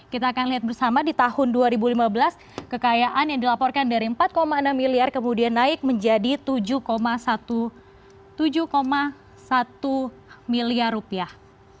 kita akan lihat bersama di tahun dua ribu lima belas kekayaan yang dilaporkan dari empat enam miliar kemudian naik menjadi tujuh satu miliar rupiah